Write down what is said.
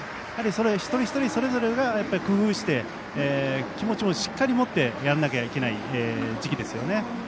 一人一人それぞれが工夫して気持ちもしっかり持ってやらなきゃいけない時期ですよね。